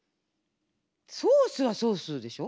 ソースはソースでしょ？